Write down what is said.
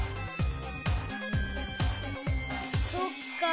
そっか。